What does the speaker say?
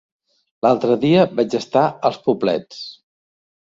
L'altre dia vaig estar als Poblets.